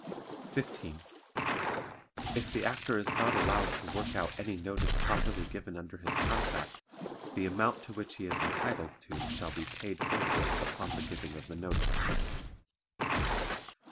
15. If the Actor is not allowed to work out any notice properly given under his contract the amount to which he is entitled to shall be paid forthwith upon the giving of the notice.